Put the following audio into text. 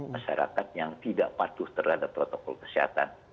masyarakat yang tidak patuh terhadap protokol kesehatan